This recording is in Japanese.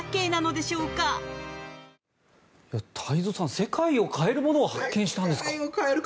世界を変えるものを発見したんですか。